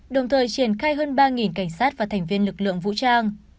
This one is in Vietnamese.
đồng thời triển khai hơn ba cảnh sát và thành viên lực lượng vũ trang